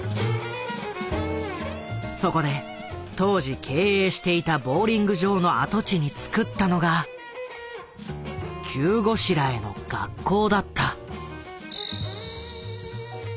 そこで当時経営していたボウリング場の跡地につくったのが急ごしらえの学校だった。